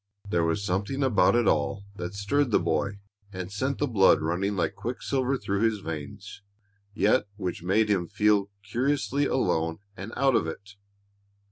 There was something about it all that stirred the boy and sent the blood running like quick silver through his veins, yet which made him feel curiously alone and out of it.